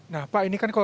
nah pak ini kebetulan